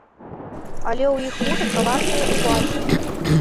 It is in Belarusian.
Але ў іх музыка вартая ўвагі.